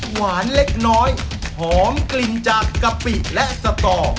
หวานเล็กน้อยหอมกลิ่นจากกะปิและสตอ